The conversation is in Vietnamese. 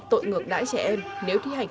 tội ngược đáy trẻ em nếu thi hành